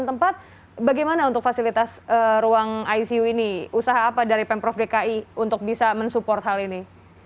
tempat bagaimana untuk fasilitas ruang icu ini usaha apa dari pemprov dki untuk bisa mensupport hal ini